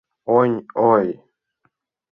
Оньой.